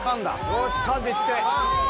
よし「かん」でいって。